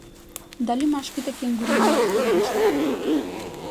Дали машките кенгури имаат торбичка?